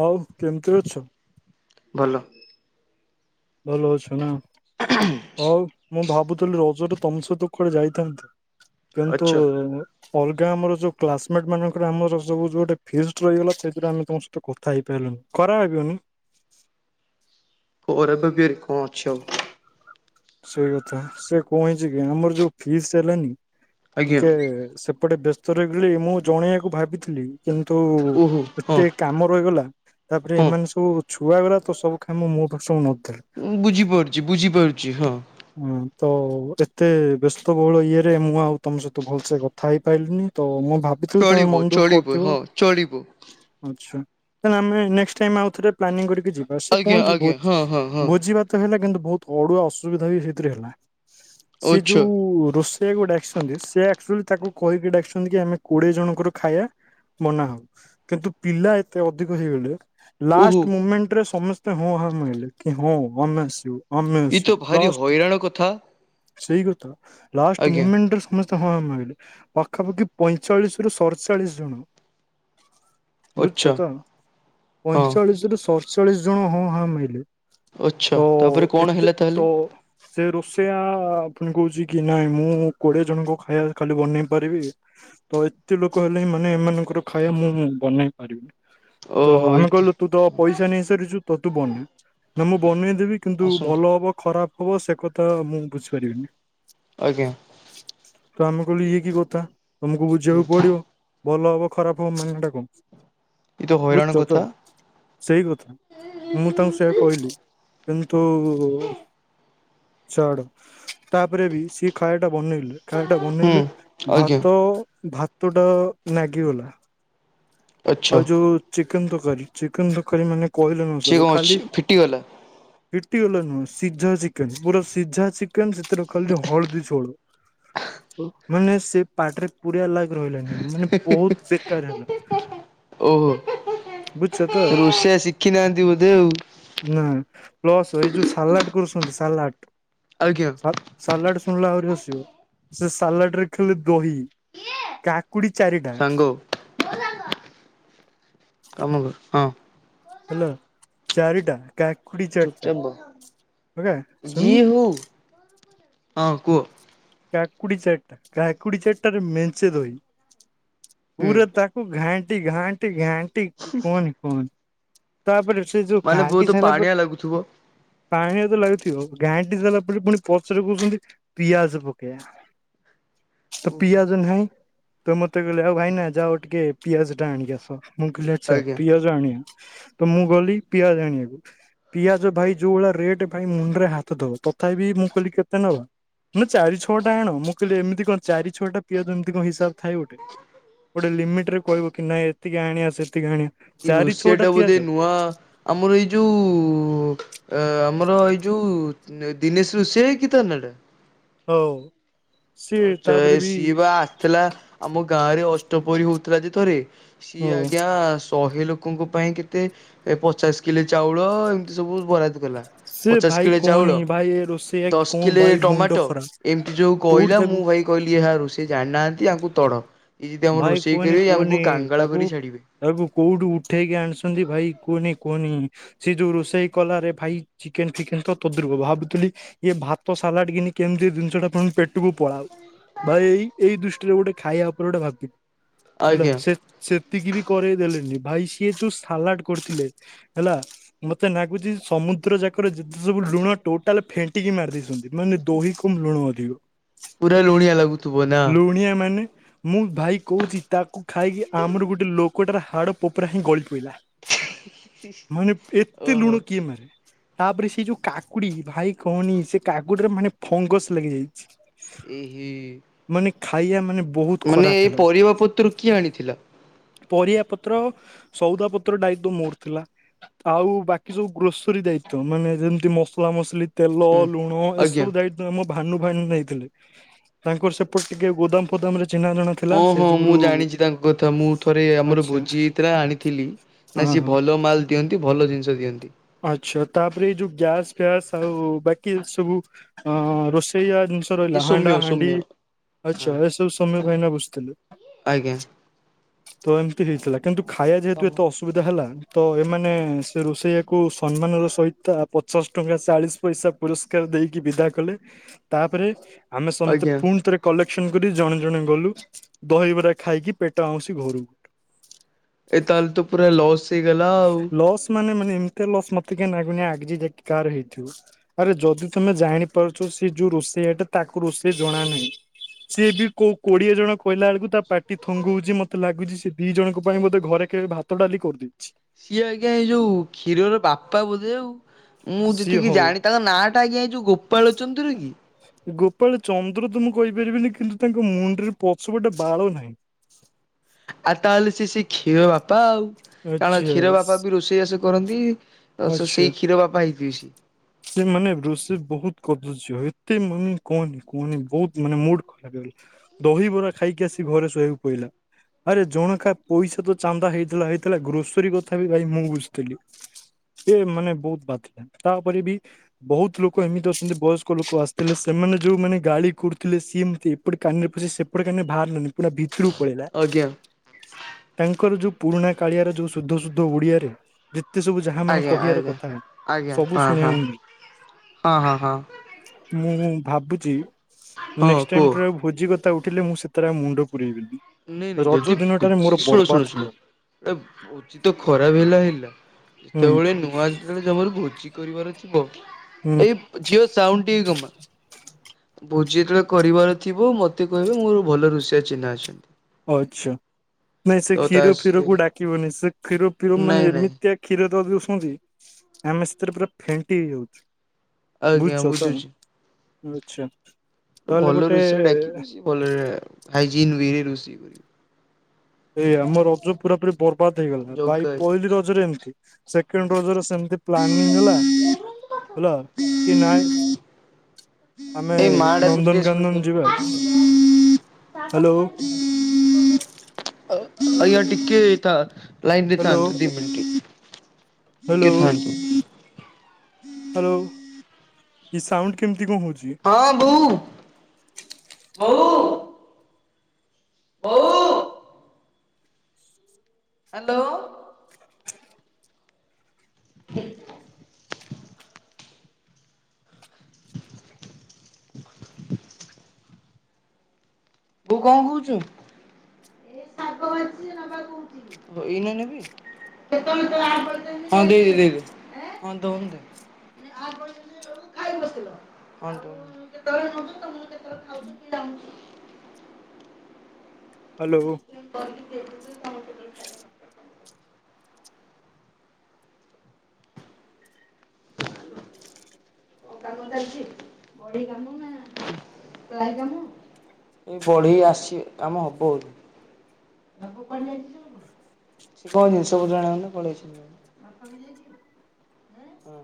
ହଉ କେମିତି ଅଛୁ? ଭଲ। ଭଲ ଅଛୁ ନା ହଉ। ମୁଁ ଭାବୁଥିଲି ରଜରେ ତମସହିତ କୁଆଡ଼େ ଯାଇଥାଆନ୍ତି ଅଛ କିନ୍ତୁ-ଉ-ଉ-ଉ ଅଲଗା ଆମର ଯୋଉ କ୍ଲାସମେଟ ମାନଙ୍କର ଆମର ଯୋଉ ଗୋଟେ ଫିସ୍ଟ ରହିଗଲା ସେଥିରେ ଆମେ ତ ତ କଥା ହେଇପାଇଲୁନୁ ଖରାପ ଭାବିବନି। ପରେ ତ ତିଆରି କଣ ଅଛି ଆଉ। ସେଇ କଥା ସେ କଁ ହେଇଛି କି ଆମର ଯୋଉ ଫିସ୍ ହେଲାନି ଆଜ୍ଞା ଟିକେ-ଏ-ଏ ସେପଟେ ବ୍ୟସ୍ତ ରହିଗଲି ମୁଁ ଜଣେଇବାକୁ ଭାବିଥିଲି କିନ୍ତୁ-ଉ-ଉ-ଉ ଓହୋ ହଁ ଏତେ କାମ ରହିଗଲା। ତାପରେ ହଁ ଏମାନେ ସବୁ ଛୁଆଗରା ତ ସବୁକାମ ମୋ ଉପରେ ସବୁ ଲଦି ଦେଲେ। ବୁଝିପାରୁଛି ବୁଝିପାରୁଛି ହଁ। ହଁ ତ ଏତେ ବ୍ୟସ୍ତବହୁଳ ଇଏରେ ମୁଁ ଆଉ ତମ ସହିତ ଭଲସେ କଥା ହେଇପାରିଲିନି ତ ମୁଁ ଭାବ ଦେଖିଲୁ ତମ ଚଳିବ ମନ ଦୁଃଖ ଚଳିବ କରୁଥିବ। ହଁ ଚଳିବ ଆଛା କାରଣ ଆମେ ନେସ୍ଟ ଟାଇମ୍ ଆଉଥରେ ଥରେ ପ୍ଲାନିଂ କରିକି ଯିବା ସେ ଆଜ୍ଞା କଁକି ଆଜ୍ଞା ଭୋଜି ହଁ ହଁ ହଁ ଭୋଜିଭା ତାହେଲେ କିନ୍ତୁ ବହୁତ ଅଡୁଆ ଅସୁବିଧା ବି ସେଇଥିରେ ହେଲା। ସେ ଅଛ ଯୋଉ-ଉ-ଉ-ଉ ରୋଷ ୟାକୁ ଡାକିଛନ୍ତି ସେ ଆକ୍ଚୁଆଲି ତାକୁ କହିକି ଡାକିସନ୍ତି କି ଆମେ କୋଡିଏ ଜଣଙ୍କର ଖାଇଆ ମନା ହବ କିନ୍ତୁ ପିଲା ଏତେ ଅଧିକ ହେଇଗଲେ ଓହୋ ଲାଷ୍ଟ ମୁମେଣ୍ଟରେ ସମସ୍ତେ ହଁ ହାଁ ମାଇଲେ କି ହଁ ଆମେ ଆସିବୁ ଆମେ ଇଏ ତ ଆସିବୁ। ଭାରି ଲାଷ୍ଟ ହଇରାଣ କଥା ସେଇ କଥା ଲାଷ୍ଟ ଆଜ୍ଞା ମୁମେଣ୍ଟରେ ସମ ସ୍ତେ ହଁ ହାଁ ମାଇଲେ ପାଖାପାଖି ପଇଁଚାଳିଶ ରୁ ସଡ଼ଚାଳିଶ ଜଣ। ଅଛ ବୁଝୁଛ ତ, ହଁ ପଇଁଚାଳିଶ ରୁ ସତଚାଳିଶ ଜଣ ହଁ ହା ମାଇଲେ। ଅଛ ତାପରେ ତ-ଅ-ଅ-ଅ କଣ ଏତେ ହେଲା ତାହେଲେ ତ ସେ ରୋଷେଇଆ-ଆ-ଆ-ଆ ପୁଣି କହୁଛି କି ନାଇଁ ମୁଁ କୋଡିଏ ଜଣଙ୍କ ଖାଇବା ଖାଲି ବନେଇ ପାରିବି। ତ ଏତେ ଲୋକ ହେଲେ ହିଁ ମାନେ ଏମାନଙ୍କର ଖାଇବା ମୁଁ ବନେଇ ପାରିବି। ତ-ଅ-ଅ-ଅ ଓହୋ ଏଇ ଆମେ କହିଲୁ ତୁ ତ ପଇସା ନେଇସାରିଛୁ ତ ତୁ ବନା। ନା ମୁଁ ବନେଇଦେବି କିନ୍ତୁ ଆସନ୍ତୁ ଭଲ ହବ ଖରାପ ହବ ସେ କଥା ମୁଁ ବୁଝିପାରିବିନି। ଆଜ୍ଞା। ତ ଆମେ କହିଲୁ ଇଏ କି କଥା ତମକୁ ହୁଁ ବୁଝିବାକୁ ପଡିବ। ଭଲ ହବ ଖରାପ ହବ ମାନେ ସେଟା କଣ ଏ ତ ହଇରାଣ ବୁଝୁଛ ତ। କଥା ସେଇ କଥା ମୁଁ ତାଙ୍କୁ ସେଇଆ କହିଲି କିନ୍ତୁ-ଉ-ଉ-ଉ ଛାଡେ ତାପରେ ବି ସିଏ ଖାଇବା ଟା ବନେଇଲେ ଖାଇଟା ହୁଁ ବନେଇଲେ ଆଜ୍ଞା ଭାତ-ଅ-ଅ ଭାତ ଟା ନାଗିଗଲା। ଆଚ୍ଛା ଆଉ ଯୋଉ ଚିକେନ ତରକାରୀ, ଚିକେନ ତରକାରୀ ମାନେ କହିଲେ ନ ସିଏ ସରେ କଣ ଅଛି ଖାଲି ଫିଟିଗଲା ଫିଟି ଗଲା ନୁହଁ ସିଝା ଚିକେନ ପୁରା ସିଝା ଚିକେନ ସେଥିରେ ଖାଲି ହଳଦୀ ଝୋଳ। ଓ ମାନେ ସେ ପାଟିରେ ପୁରେଇବା ଲାଇକ୍ ରହିଲାନି ମାନେ ବହୁତ ବେକାର ହେଲା। ଓହୋ ବୁଝଛ ତ। ରୋଷେଇଆ ଶିଖି ନାହାନ୍ତି ବୋଧେ ଆଉ। ନା ପ୍ଲସ୍ ଏ ଯୋଉ ସାଲାଡ୍‌ କୁରୁଛନ୍ତି ସାଲାଡ୍‌ ଆଜ୍ଞା। ଆ ସାଲାଡ ଶୁଣିଲେ ଆହୁରି ହସିବ ସେ ସାଲାଡ ରେ ଖାଲି ଦହି। କାକୁଡି ଚାରିଟା। ସାଙ୍ଗ କାମ କର ହଁ। ହେଲା ଚାରିଟା କାକୁଡି ଚାର୍ଟା ଚୁପଚାପ ବ ବଗା ଯିଏ ଶୁଣୁନ୍‌ ହଉ ହଁ କୁହ। କାକୁଡି ଚାରିଟା କାକୁଡି ଚାରିଟା ମେଞ୍ଚେ ଦହି ହୁଁ ପୁରା ତା ଘାଣ୍ଟି ଘାଣ୍ଟି ଘାଣ୍ଟି କୁହନି କୁହନି। ତାପରେ ସେ ଯଉ ମାନେ ଘାଣ୍ଟି ବହୁତ ସାଇଲା ପାଣିଆ ପରେ ଲାଗୁଥିବ ପାଣିଆ ତ ଲାଗୁଥିବ ଗାଣ୍ଟି ସାରିଲା ପରେ ପୁଣି ପଛରେ କହୁଛନ୍ତି ପିଆଜ ପକ୍ [unintelligible] ଓହୋ ପିଆଜ ନାହିଁ। ତ ମୋତେ କହିଲେ ଆଉ ଭାଇନା ଯାଅ ଟିକେ ପିଆଜ ଟା ଆଣିକି ଆସ ମୁଁ କହିଲି ଆଚ୍ଛା ଆଜ୍ଞା ପିଆଜ ଆଣିବା। ତ ମୁଁ ଗଲି ପିଆଜ ଆଣିବାକୁ ପିଆଜ ଭାଇ ଏଇ ଯୋଉ ଭଳିଆ ରେଟ୍ ପାଇଁ ମୁଣ୍ଡ ରେ ହାତ ଦବ ତଥାପି ମୁଁ କହିଲି କେତେ ନବ ନା ଚାଳିସ ଟା ଆଣ ମୁଁ କହିଲି ଏମିତି କଣ ଚାରି ଛଅଟା ପିଆଜ ଏମିତି କଣ ହିସାବ ଥାଏ ଗୋଟେ। ଗୋଟେ ଲିମିଟିରେ କହିବ କି ନାଇଁ ଏତିକି ଆଣିଆ ସେତିକି ଆଣିଆ। ଏଇ ରୁଷିଆଟା ବୋଧେ ନୂଆ ଆମର ଏଇ ଯୋଉ ଆ ଆମର ଏଇ ଯୋଉ ଦିନେଶ ରୋଷେୟା କି ତା ନାଟା। ହଉ। ସିଏ ଆଚ ତାପରେ ବି ସିଏ ବା ଆସ୍‌ଥିଲା ଆମ ଗାଁ ରେ ଅଷ୍ଟପହରି ହଉଥିଲା ଯେ ଥରେ ଓ ସିଏ ଆଜ୍ଞା ଶହେ ଲୋକଙ୍କ ପାଇଁ କେତେ ପଚାଶ କିଲେ ଚାଉଳ ଏମିତି ସବୁ ବରାଦ କଲା। ସେ ପଚାଶ ଭାଇ କିଲେ କହନି ଚାଉଳ ଭାଇ ଏ ରୋଷେଇଆ କି ଦଶ କଣ କିଲେ ଭାଇ ମୁଣ୍ଡ ଟମାଟୋ ଖରାପ ଏମିତି ଯୋଉ କୋଉଠି କହିଲା ତାକୁ ମୁଁ ପାଇଁ କହିଲି ଏହା ରୋଷେଇ ଜାଣିନାହାନ୍ତି ଆଙ୍କୁ ତଢ। ଏଇ ଯଦି ଆମ ଭାଇ ରୋଷେଇ କରିବେ ଆମକୁ କାଙ୍ଗଳ କରି ଛାଡିବେ। ଆକୁ କୋଉଠୁ ଉଠେଇକି ଆଣିଛନ୍ତି ଭାଇ କୁହନି କୁହନି। ସେ ଯୋଉ ରୋଷେଇ କଲା ରେ ଭାଇ ଚିକେନ ଫିକେନ ତ ତଦୁର୍ପ ଭାବୁଥିଲି ଇଏ ଭାତ ସାଲାଡ କିିନି କେମିତି ଦିନିଷ ଟା ପୁଣି ପେଟକୁ ପଳାଉ। ଭାଇ ଏଇ ଦୃଷ୍ଟିରେ ଗୋଟେ ଖାଇବା ଉପରେ ଗୋଟେ ଭାବିନି ହେଲା ଆଜ୍ଞା ସେ ସେତିକି ବି କରେଇ ଦେଲେନି ଭାଇ ସିଏ ଯୋଉ ସାଲାଡ୍‌ କରିଥିଲେ। ହେଲା ମତେ ନାଗୁଛି ସମୁଦ୍ର ଯାକର ଯେତେ ସବୁ ଲୁଣ ଟୋଟାଲ ଫେଣ୍ଟିକି ମାରିଦେଇଛନ୍ତି। ମାନେ ଦହି କମ୍ ଲୁଣ ଅଧିକ ପୁରା ଲୁଣିଆ ଲାଗୁଥିବ ନା। ଲୁଣିଆ ମାନେ ମୁଁ ଭାଇ କହୁଚି ତାକୁ ଖାଇକି ଆମର ଗୋଟେ ଲୋକଟାର ହାଡ ପୋପରା ହିଁ ଗଳି ପଡ଼ିଲା। ମାନେ ଏତେ ଓହୋ ଲୁଣ କିଏ ମାରେ। ତାପରେ ସେଇ ଯୋଉ କାକୁଡି ଭାଇ କହନି ସେ କାକୁଡିରେ ମାନେ ଫଙ୍ଗସ୍‌ ଲାଗି ଯାଇଛି। ଏହେ ମାନେ ଖାଇବା ମାନେ ବହୁତ ଖରାପ ହେଲା। [unintelligible] ପତ୍ର କିଏ ଆଣିଥିଲା। ପରିବା ପତ୍ର ସଉଦା ପତ୍ର ଦାୟିତ୍ଵ ମୋର ଥିଲା। ଆଉ ବାକି ସବୁ ଗ୍ରୋସୋରୀ ଦାୟିତ୍ଵ ମାନେ ଯେମତି ମସଲା ମସଲି। ତେଲ ହୁଁ ଲୁଣ ଆଜ୍ଞା। ଏସବୁ ଦାୟ ଆମ ଭାନୁ ଭାଣୀ ନେଇଥିଲେ ତାଙ୍କର ସେପଟେ ଟିକେ ଗୋଦାମ ଫୋଦାମ ରେ ଚିହ୍ନା ଜଣା ଥିଲା। ହଁ ସେ ହଁ ମୁଁ ଯୁଗୁରୁ ଜାଣିଛି ତାଙ୍କ କଥା ମୁଁ ଥରେ ଆମର ଆଚ୍ଛା ଭୋଜି ହେଇଥିଲା ଆଣିଥିଲି ହଁ ନା ସିଏ ହଁ। ଭଲ ଭଲ ମାଲ ଦିଅନ୍ତି ଭଲ ଜିନିଷ ଦିଅନ୍ତି। ଆଛା ତାପରେ ଏଇ ଯୋଉ ଗ୍ୟାସ ଫ୍ୟାସ ଆଉ ବାକି ଏସବୁ ଅ ରୋଷେୟା ଜିନିଷ୍ ଏ ରହିଲା ହାଣ୍ଡା ସୌମ୍ୟ ହାଣ୍ଡି ସୌମ୍ୟ ହଁ ଆଛା ଏସବୁ ସୋମ୍ୟ ଭାଇନା ବୁଝିଥିଲେ। ଆଜ୍ଞା। ତ ଏମିତି ହେଇଥିଲା କିନ୍ତୁ ଖାଇବା ଯେହେତୁ ଏତେ ଅସୁ ବିଧା ହେଲା ତ ଏମାନେ ସେ ରୋଷେଇଆ କୁ ସମ୍ମାନର ସହିତ ପଚାଶ ଟଙ୍କା ଚାଳିଶ ପଇସା ପୁରସ୍କାର ଦେଇକି ବିଦା କଲେ। ତାପରେ ଆମେ ସମସ୍ତେ ଆଜ୍ଞା ପୁଣି ଥରେ କଲେକ୍ସନ କରି ଜଣେ ଜଣେ ଗଲୁ, ଦହିବରା ଖାଇକି ପେଟ ଆଉଁସି ଘରୁ। ଏଇ ତାହେଲେ ତ ପୁରା ଲସ୍ ହେଇଗଲା ଆଉ। ଲସ୍ ମାନେ ମାନେ ଏମତିଆ ଲସ୍, ମତେ କାଇଁ ଲାଗୁନି ଆଜି ଯାଏ କାହାର ହେଇଥିବ। ଆରେ ଯଦି ତମେ ଜାଣିପାରୁଛ ସେ ଯୋଉ ରୋଷେଇଟା, ତାକୁ ରୋଷେଇ ଜଣା ନାହିଁ? ସିଏ ବି କୋଉ କୋଡିଏ ଜଣ କହିଲା ବେଳକୁ ତା ପାଟି ଥଙ୍ଗଉଛି, ମତେ ଲାଗୁଛି ସେ ଦି ଜଣଙ୍କ ପାଇଁ ବୋଧେ ଘରେ କେବେ ଭାତ ଡାଲି କରିଦେଇଛି। ସିଏ ଆଜ୍ଞା ଏଇ ଯୋଉ କ୍ଷୀରର ବାପା ବୋଧେ ଆଉ। ମୁଁ ସିଏ ଯେତିକି ହଉ ଜାଣି, ତାଙ୍କ ନାଁଟା ଆଜ୍ଞା ଏଇ ଯୋଉ ଗୋପାଳ ଚନ୍ଦ୍ର କି? ଗୋପାଳ ଚନ୍ଦ୍ର ତ ମୁଁ କହିପାରିବିନି, କିନ୍ତୁ ତାଙ୍କ ମୁଣ୍ଡରେ ପଛ ଗୋଟେ ବାଳ ନାହିଁ। ଆଉ ତାହେଲେ ସେ ସେ କ୍ଷୀର ବାପା ଆଉ, କାରଣ ଆଚ୍ଛା କ୍ଷୀର ବାପା ବି ରୋ ରୋଷେଇବାସ କରନ୍ତି, ସେ ଆଚ୍ଛା। ସେଇ କ୍ଷୀର ବାପା ହେଇଥିବେ ସେ। ସେ ମାନେ ରୋଷେଇ ବହୁତ କଦଯ୍ୟ, ଏତେ ମାନେ କୁହନି କୁହନି ବହୁତ ମାନେ ମ ଦହିବରା ଖାଇକି ଆସି ଘରେ ଶୋଇବାକୁ ପଇଲା। ଆରେ ଜଣ ଖା ପଇସା ତ ଚାନ୍ଦା ହେଇଥିଲା ହେଇଥିଲା, ଗ୍ରୋସରୀ କଥା ବି ଭାଇ ମୁଁ ବୁଝିଥିଲି। ସେ ମାନେ ବହୁତ ବାଧିଲା, ତାପରେ ବି ବହୁତ ଲୋକ ଏମିତି ଅଛନ୍ତି ବୟସ୍କ ଲୋକ ଆସିଥିଲେ, ସେମାନେ ଯୋଉମାନେ ଗାଳି କରୁଥିଲେ ସିଏ ଏମତି ଏପଟେ କାନିରେ ପୁରେଇ ସେପଟେ କାନରେ ବାହାରିଲାନି, ପୁରା ଭିତରୁକୁ ପଳେଇଲା। ଆଜ୍ଞା ତାଙ୍କର ଯୋଉ ପୁରୁଣା କାଳିଆର ଯୋଉ ସୁଦ୍ଧ ସୁୁଦ୍ଧ ଓଡିଆରେ, ଯେତେ ସବୁ ଯାହା ମାନେ ଆଜ୍ଞା କହିବାର ଆଜ୍ଞା। କଥା, ଆଜ୍ଞା ସବୁ ହଁ ହଁ ଶୁଣିବାକୁ ହଁ ହଁ ହଁ ମି ମୁଁ ଭାବୁଛି, ହଁ ନେକ୍ସଟ ଟାଇମ୍ କୁହ। ଠାରୁ ଭୋଜି କଥା ଉଠିଲେ ମୁଁ ସେଥିରେ ଆଉ ମୁଣ୍ଡ ପୁରେଇବିନି। ନାଇଁ ନାଇଁ ରଜ ଦିନଟାରେ ମୋର ଜ୍ୟୋତି ଶୁଣ ବର୍ବାଦ ଶୁଣ ହେଇଗଲା ଶୁଣ। ଉଚିତ ଖରାପ ବି ଲାଗିଲା, ହୁଁ ଯେତେବେଳେ ନୂଆ ଯେତେବେଳେ ତମର ଭୋଜି କରିବାର ଥିବ, ହୁଁ ଏଇ ଝିଅ ସାଉଣ୍ଡ ଟିକେ କମା। ଭୋଜି ଯେତେବେଳେ କରିବାର ଥିବ ମତେ କହିବେ, ମୋର ଭଲ ରୋଷେଆ ଚିହ୍ନା ଅଛନ୍ତି। ଆଚ୍ଛା ନାଇଁ ସେ ତ ତା କ୍ଷୀର ସେ ଫୀରକୁୁ ଡାକିବନି, ସେ କ୍ଷୀର ଫୀର ମାନେ ନାଇଁ ନାଇଁ ଏମିତିଆ କ୍ଷୀର ଦେଇ ଦଉଛନ୍ତି, ଆମେ ସେଥିରେ ପୁରା ଫେଣ୍ଟି ହେଇଯାଉଚୁ। ଆଜ୍ଞା ବୁଝୁଛ ସାଙ୍ଗ ବୁଝୁଛି। ବୁଝୁଛ ନହେଲେ ଗୋଟେ [unintelligible] ହାଇଜନ୍ ୱେ ରେ ରୋଷେଇ କରିିବି। ଏଇ ଆମ ରଜ ପୁରା ପୁରି ବର୍ବାଦ ହେଇଗଲା, ଭାଇ ପହିଲି ରଜରେ ଏମିତି। ହଁ ସେକେଣ୍ଡ ରଜରେ ସେମତି ପ୍ଲାନିଂ ହେଲା, ହେଲା କି ନାଇଁ ଆମେ ଏଇ ମା ଡାକୁଛି ଟିକେ ନନ୍ଦନକାନନ ଶୁଣିଦିଅ ଯିବା, ହ୍ୟାଲୋ। ଆଜ୍ଞା ଟିକେ ତା ଲାଇନ୍ ରେ ହ୍ୟାଲୋ ଥାଆନ୍ତୁ ଦି ମିନିଟ। ହ୍ୟାଲୋ। ହ୍ୟାଲୋ, ଏ ସାଉଣ୍ଡ କେମିତି କଣ ହଉଛି? ହଁ ବୋଉ ବୋଉ। ବୋଉ। ହ୍ୟାଲୋ। ବୋଉ କଣ କହୁଛୁ? ଏଇନା [unintelligible] ହଁ ଦେଇ ଦେ ଦେଇ ଦେ ହଁ ଦଉନୁ ଦେ। [unintelligible] ହଁ ହ୍ୟାଲୋ। ହ [unintelligible] ଏଇ ବଢେଇ ଆସିବେ କାମ ହବଉ ସେ କଣ ଜିନିଷ ପତ୍ର ଆଣିବାକୁ ନା କୁଆଡେ ଯାଇଛି? କଣ ପାଇଁ ଯାଇଛି? ହଁ।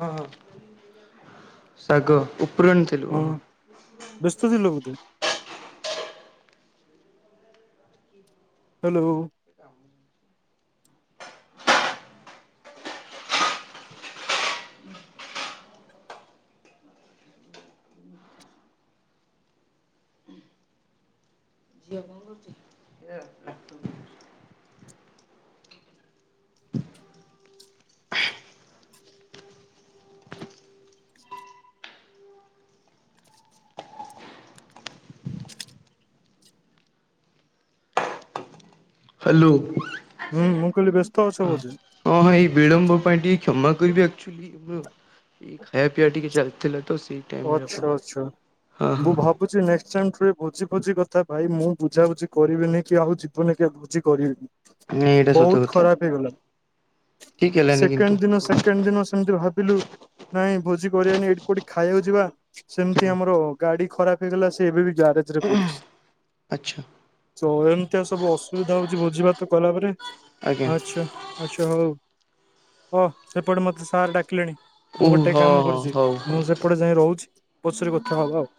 ହଁ ହଁ ଶାଗ ଉପୁରୁ ଆଣିଥିଲୁ ଓହୋ। ବେସ୍ତ ଥିଲ ବୋଧେ। ହ୍ୟାଲୋ। ଝିଅ କଣ କରୁଛି? ହାଲୋ। ହୁଁ ମୁଁ କହିଲି ବ୍ୟସ୍ତ ଅଛ ବୋଧେ? ହଁ ଭାଇ ଏଇ ବିଳମ୍ବ ପାଇଁ ଟିକେ କ୍ଷମା କରିଵେ। ହୁଁ ଖାଇବା ପିଇବା ଟିକେ ଚାଲିଥିଲା ତ ସେଇ ଟାଇମରେ ଆପଣ ଅଛା ଅଛା ହଁ ମୁ ହଁ। ଭ ଭାବୁଛି ନେକ୍ସଟ ଟାଇମ ଭୋଜି ଭୋଜି କଥା ଭାଇ ମୁଁ ବୁଝାବୁଝି କରିବିନି କି ଆଉ ଯିବନେ କି ଭୋଜି କରିବିନି। ନାଇଁ ଏଇଟା ସତ ବୋହୁତ କଥା ଖରାପ ହେଇଗଲା ଠିକ ହେଲାନି କିନ୍ତୁ ସେକେଣ୍ଡ ଦିନ ସେ କେଣ୍ଡ ଦିନ ସେମିତି ଭାବିଲୁ ନାଇଁ ଭୋଜି କରିବାନି ଏଇଠି କୋଉଠି ଖା ଖାଇକୁ ଯିବା ସେମିତି ହୁଁ ଆମର ଗାଡି ଖରାପ ହେଇଗଲା ସେ ଏବେ ବି ଗ୍ୟାରେଜ ରେ ପଡିଛି। ଆଚ୍ଛା। ତୋ ଏମିତିଆ ସବୁ ଅସୁବିଧା ହଉଛି ଭୋଜି ଭାତ କଲାପରେ ଆଜ୍ଞା ଆଛା। ଆଛା ହଉ ହ ଏପଟେ ମତେ ସାର୍ ଡାକିଲେଣି। ଓ ମୁଁ ହଁ ଗୋଟେ କାମ ହଁ କରୁଛି ହଉ ହଉ। ମୁଁ ସେପଟେ ଯାଇ ରହୁଛି ପଛରେ କଥା ହଵା ଆଉ।